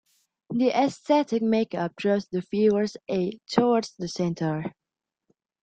The aesthetic make-up draws the viewer's eye towards the center.